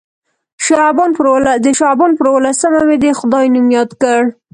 د شعبان پر اووه لسمه مې د خدای نوم یاد کړ.